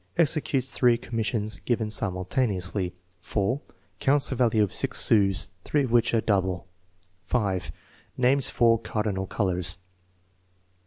Executes three commissions, given simultaneously. 4. Counts the value of six sous, three of which arc double. 5. Names four cardinal colors.